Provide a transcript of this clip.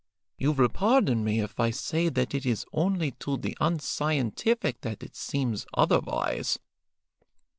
You will pardon me if I say that it is only to the unscientific that it seems otherwise.